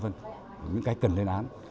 những cái cần lên án